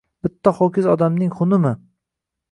Bitta ho‘kiz odamning xunimi